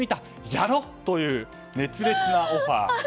やろっ！という熱烈オファー。